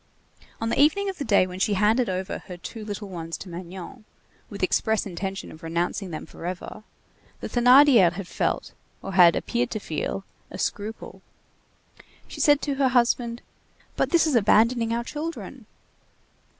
On the evening of the day when she had handed over her two little ones to Magnon, with express intention of renouncing them forever, the Thénardier had felt, or had appeared to feel, a scruple. She said to her husband: "But this is abandoning our children!"